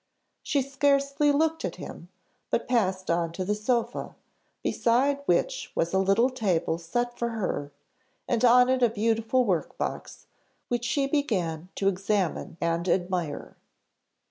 She scarcely looked at him, but passed on to the sofa, beside which was a little table set for her, and on it a beautiful work box, which she began to examine and admire.